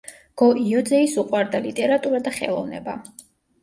გო-იოძეის უყვარდა ლიტერატურა და ხელოვნება.